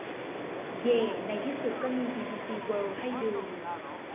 เย่ ในที่สุดก็มีบีบีซีเวิลด์ให้ดู